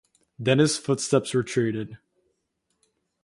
Then his footsteps retreated.